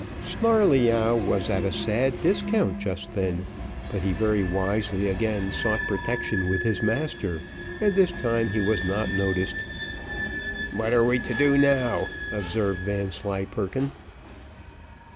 Snarleyyow was at a sad discount just then, but he very wisely again sought protection with his master, and this time he was not noticed. "What are we to do now?" observed Vanslyperken.